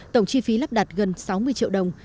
tổng chi phí lắp đặt gần sáu mươi triệu đồng